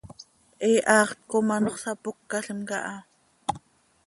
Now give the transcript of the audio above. He haxt com anxö sapócalim caha.